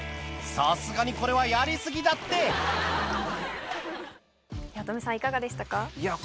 さすがにこれはやり過ぎだって八乙女さんいかがでしたか？